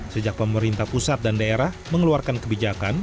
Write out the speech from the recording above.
sejak pemerintah pusat dan daerah mengeluarkan kebijakan